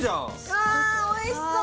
わーおいしそう！